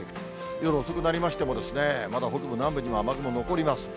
夜遅くなりましても、まだ北部、南部にも雨雲残ります。